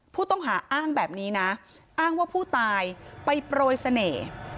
ผู้ต้องหาอ้างแบบนี้นะอ้างว่าผู้ตายไปโปรยเสน่ห์